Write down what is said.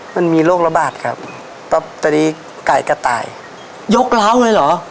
มันมีโรคระบาดครับตอนนี้ไก่กระต่ายยกร้าวเลยเหรอ